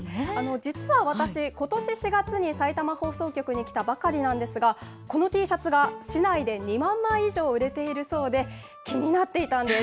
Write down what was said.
実は私、ことし４月にさいたま放送局に来たばかりなんですが、このＴシャツが市内で２万枚以上売れているそうで、気になっていたんです。